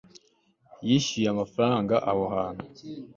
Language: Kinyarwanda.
yishyuye amafaranga aho hantu